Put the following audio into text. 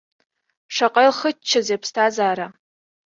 Шаҟа илхыччазеи аԥсҭазаара!